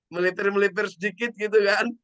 melitir melitir sedikit gitu kan